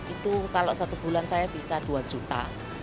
itu kalau satu bulan saya bisa dua juta